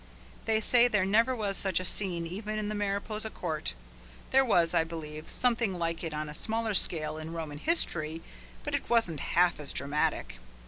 They say there never was such a scene even in the Mariposa court. There was, I believe, something like it on a smaller scale in Roman history, but it wasn't half as dramatic.